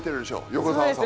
横澤さん。